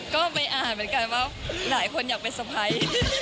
ก็ไปอ่านเหมือนกันว่าหลายคนอยากเป็นสะพ้าย